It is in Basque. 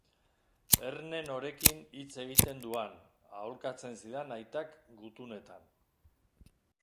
Erne norekin hitz egiten duan, aholkatzen zidan aitak gutunetan.